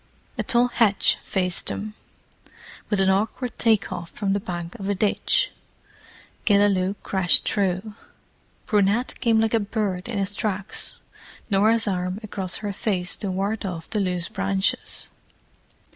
A tall hedge faced them, with an awkward take off from the bank of a ditch. Killaloe crashed through; Brunette came like a bird in his tracks, Norah's arm across her face to ward off the loose branches.